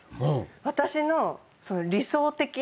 私の理想的な。